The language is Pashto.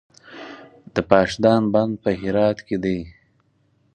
د پاشدان بند په هرات کې دی